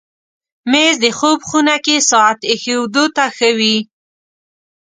مېز د خوب خونه کې ساعت ایښودو ته ښه وي.